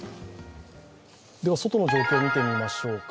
外の状況を見てみましょうか。